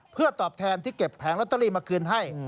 เพื่อตอบแทนที่เก็บแผงลอตเตอรี่มาคืนให้